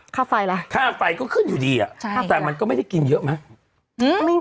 ค่าไฟล่ะค่าไฟก็ขึ้นอยู่ดีอ่ะใช่แต่มันก็ไม่ได้กินเยอะไหม